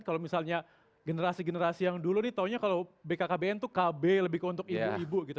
kalau misalnya generasi generasi yang dulu nih taunya kalau bkkbn itu kb lebih untuk ibu ibu gitu